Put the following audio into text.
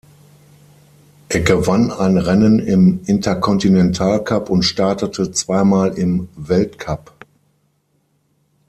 Er gewann ein Rennen im Interkontinentalcup und startete zweimal im Weltcup.